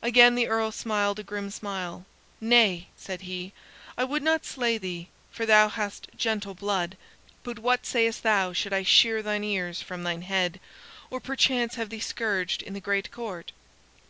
Again the Earl smiled a grim smile. "Nay," said he, "I would not slay thee, for thou hast gentle blood. But what sayest thou should I shear thine ears from thine head, or perchance have thee scourged in the great court?"